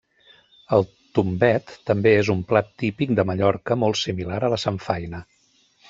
El tombet també és un plat típic de Mallorca molt similar a la samfaina.